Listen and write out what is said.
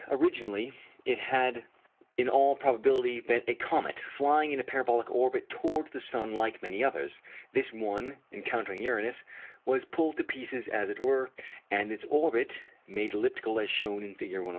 Originally it had in all probability been a comet, flying in a parabolic orbit towards the sun like many others. This one, encountering Uranus, was pulled to pieces as it were, and its orbit made elliptical as shown in Fig. 107.